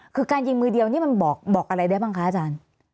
คือการยิงมือเดียวนี่มันบอกอะไรได้บ้างคะอาจารย์